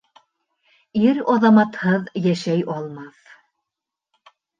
Ир аҙаматһыҙ йәшәй алмаҫ